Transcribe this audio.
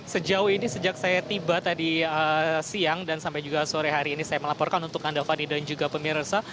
sejauh ini sejak saya tiba tadi siang dan sampai juga sore hari ini saya melaporkan untuk anda fani dan juga pemirsa